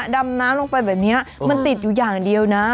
ดำน้ำลงไปแบบนี้มันติดอยู่อย่างเดียวนะ